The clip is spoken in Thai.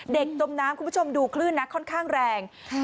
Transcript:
จมน้ำคุณผู้ชมดูคลื่นนะค่อนข้างแรง